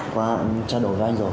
qua em trao đổi ra anh rồi